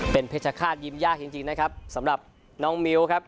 เป็นเพชรฆาตยิ้มยากจริงนะครับสำหรับน้องมิ้วครับ